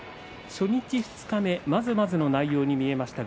初日、二日目まずまずの内容に見えました。